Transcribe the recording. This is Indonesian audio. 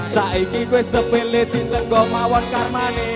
saiki kowe sepele di tenggo mawon karmani